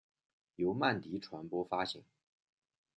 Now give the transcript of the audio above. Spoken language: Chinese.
由曼迪传播发行。